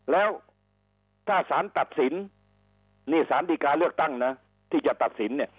แล้วถ้าสารตัดสินนี่สารดีการเลือกตั้งนะที่จะตัดสินเนี่ย